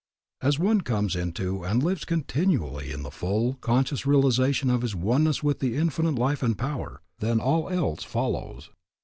As one comes into and lives continually in the full, conscious realization of his oneness with the Infinite Life and Power, then all else follows.